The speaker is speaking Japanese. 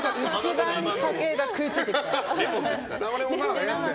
一番、酒が食いついてきた。